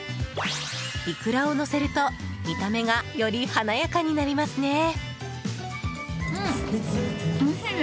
イクラをのせると見た目がより華やかになりますね。